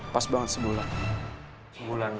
pas banget sebulan